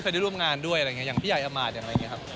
เคยได้ร่วมงานด้วยอย่างพี่ใหญ่อำมาตย์อย่างไรเนี่ยครับ